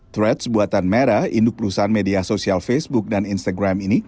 threads buatan merah induk perusahaan media sosial facebook dan instagram ini